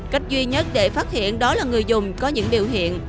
cách duy nhất để phát hiện đó là người dùng có những biểu hiện